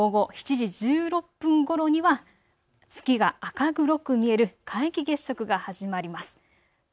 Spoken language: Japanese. そしてこのあと午後７時１６分ごろには月が赤黒く見える皆既月食が始まります。